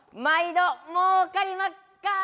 まいどもうかりまっか？